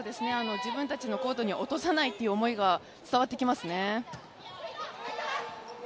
自分たちのコートに落とさないという思いが伝わってきますね。